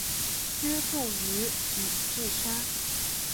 居住于宇治山。